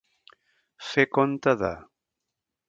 Fer compte de.